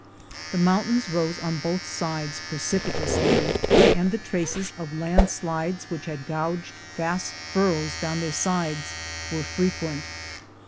The mountains rose on both sides precipitously, and the traces of land slides which had gouged vast furrows down their sides were frequent.